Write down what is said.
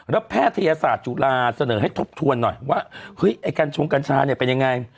แล้วแพทยศาสตร์จุฬาเสนอให้ทบทวนหน่อยว่าเฮ้ยไอ้กัญชงกัญชาเนี่ยเป็นยังไง